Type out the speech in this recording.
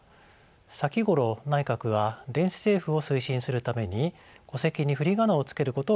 先ごろ内閣は電子政府を推進するために戸籍に振り仮名を付けることを決めました。